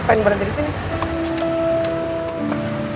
lo pengen berada disini